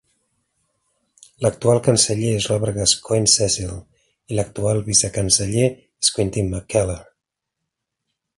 L'actual canceller és Robert Gascoyne-Cecil i l'actual vicecanceller és Quintin McKellar.